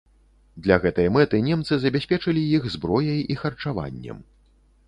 Для гэтай мэты немцы забяспечылі іх зброяй і харчаваннем.